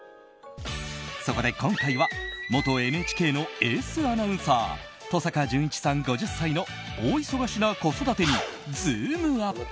そこで、今回は元ＮＨＫのエースアナウンサー登坂淳一さん、５０歳の大忙しな子育てにズームＵＰ！